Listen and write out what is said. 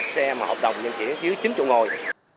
trong chín tháng đầu năm